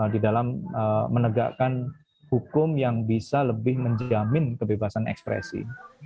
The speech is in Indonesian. di dalam menegakkan hukum yang bisa lebih menjamin kebebasan ekspresi